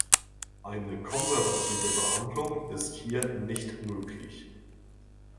Eine konservative Behandlung ist hier nicht möglich.